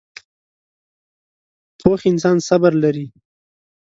پوخ انسان صبر لري